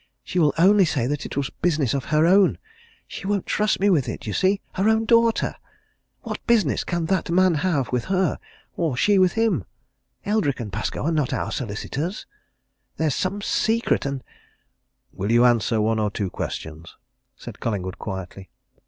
She will only say that it was business of her own. She won't trust me with it, you see! her own daughter! What business can that man have with her? or she with him? Eldrick & Pascoe are not our solicitors! There's some secret and " "Will you answer one or two questions?" said Collingwood quietly.